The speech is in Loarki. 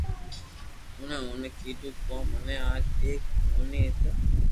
اونڻي اوني ڪيدو ڪو مني آج ايڪ موٺي ايتا